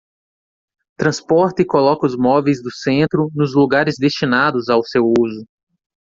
Transporta e coloca os móveis do centro nos lugares destinados ao seu uso.